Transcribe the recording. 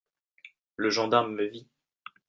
Le gendarme me vit.